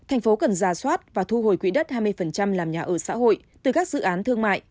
thành phố cần ra soát và thu hồi quỹ đất hai mươi làm nhà ở xã hội từ các dự án thương mại